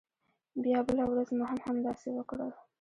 بیا بله ورځ مو هم همداسې وکړل.